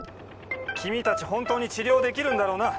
君たち本当に治療できるんだろうな？